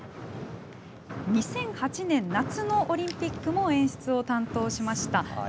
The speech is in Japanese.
２００８年夏のオリンピックも演出を担当しました。